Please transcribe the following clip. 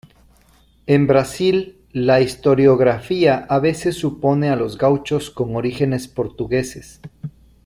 En Brasil, la historiografía a veces supone a los gauchos con orígenes portugueses.